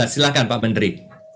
silahkan pak menteri